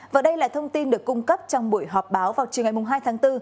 và đây là thông tin được cung cấp trong buổi họp báo vào chiều ngày hai tháng bốn